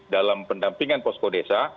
dalam pendampingan posko desa